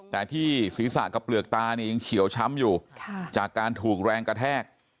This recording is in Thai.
แต่ที่ศีรษะกับเปลือกตาเนี่ยยังเขียวช้ำอยู่จากการถูกแรงกระแทก